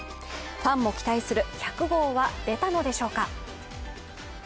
ファンも期待する１００号は出たのでしょうか。